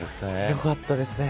よかったですね。